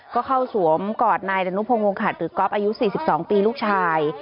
ก็เข้าสวมกอดนายดนุพงศ์วงขัดหรือก๊อฟอายุ๔๒ปีลูกชาย